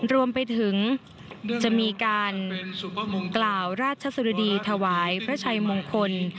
รวมไปถึงจะมีการกล่าวราชสรุดีถวายพระชัยมงคล